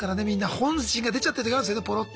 本心が出ちゃってる時あるんですよねポロッと。